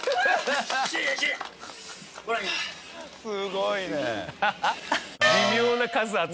すごいね。